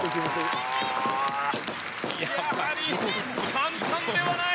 やはり簡単ではない。